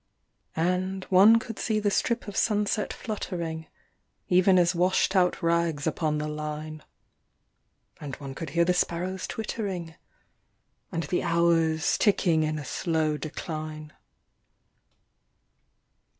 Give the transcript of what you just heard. And one could see the strip of sunset fluttering, even as washed out rags upon the line, And one could hear the sparrows twittering, and the hours ticking in a slow decline.